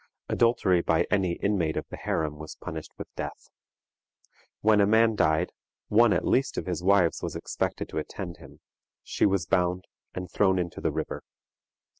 Adultery by any inmate of the harem was punished with death. When a man died, one at least of his wives was expected to attend him; she was bound and thrown into the river.